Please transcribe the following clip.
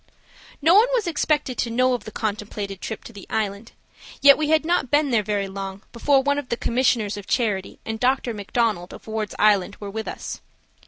No one was expected to know of the contemplated trip to the Island, yet we had not been there very long before one of the commissioners of charity and Dr. MacDonald, of Ward's Island, were with us.